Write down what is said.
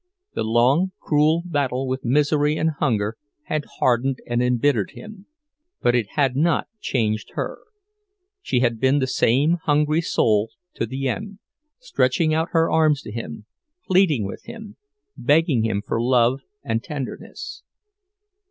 The long, cruel battle with misery and hunger had hardened and embittered him, but it had not changed her—she had been the same hungry soul to the end, stretching out her arms to him, pleading with him, begging him for love and tenderness.